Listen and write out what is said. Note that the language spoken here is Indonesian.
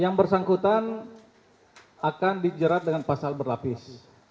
yang bersangkutan akan dijerat dengan pasal berlapis